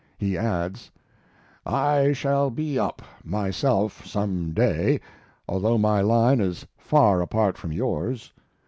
He adds: I shall be up myself some day, although my line is far apart from yours.